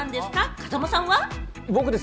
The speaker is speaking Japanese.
風間さんは？